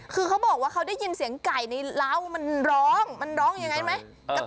คือเขาบอกว่าเขาได้ยินเสียงไก่ในเล้ามันร้องมันร้องยังไงไหม